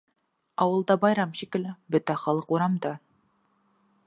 Ауылда байрам шикелле, бөтә халыҡ урамда.